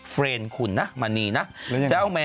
เฟรนด์คุณนะมาหนีนะ